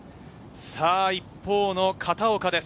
一方の片岡です。